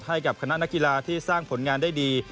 ให้กับคณะนักกีฬาที่สร้างผลงานได้ดี